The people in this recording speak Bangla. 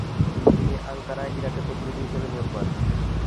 তিনি আঙ্কারায় ইরাকের প্রতিনিধি হিসেবে নিয়োগ পান।